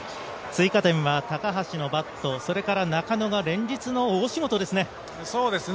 追加点は高橋のバット、それから中野が連日の大仕事ですね。